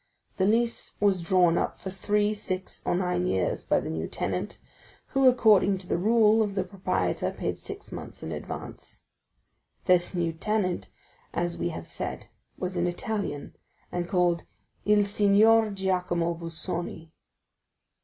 The lease was drawn up for three, six, or nine years by the new tenant, who, according to the rule of the proprietor, paid six months in advance. This new tenant, who, as we have said, was an Italian, was called Il Signor Giacomo Busoni.